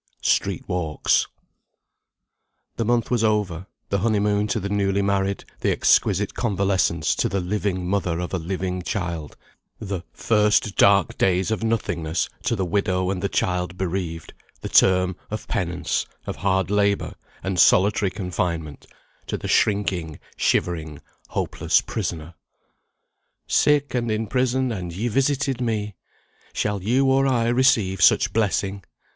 "STREET WALKS." The month was over; the honeymoon to the newly married; the exquisite convalescence to the "living mother of a living child;" the "first dark days of nothingness" to the widow and the child bereaved; the term of penance, of hard labour, and solitary confinement, to the shrinking, shivering, hopeless prisoner. "Sick, and in prison, and ye visited me." Shall you, or I, receive such blessing?